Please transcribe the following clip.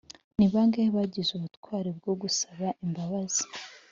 ni bangahe bagize ubutwari bwo gusaba imbabazi?